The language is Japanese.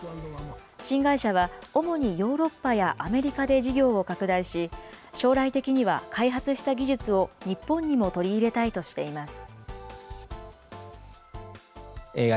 新会社は、主にヨーロッパやアメリカで事業を拡大し、将来的には開発した技術を日本にも取り入れたいとしています。